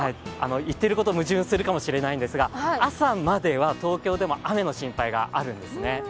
言っていること矛盾するかもしれませんが、朝までは東京でも雨の心配があるんですね。